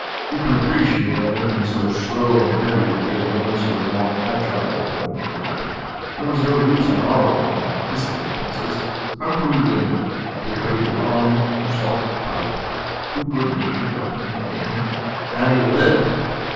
You can appreciate that anything so slow and heavy would be at the mercy of more agile forms of life. There was no use in our relying on physical defenses. How could we win? Too heavy to run, too soft to fight, too good natured to hunt for game " "How do you live?"